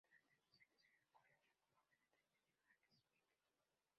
Durante sus años en la escuela, trabaja en el taller de Max Bill.